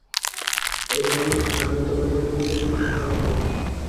এবং আমি তোমাদের দুজনকেই হারাবো।